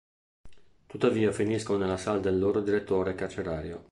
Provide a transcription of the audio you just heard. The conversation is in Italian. Tuttavia finiscono nella sala del loro direttore carcerario.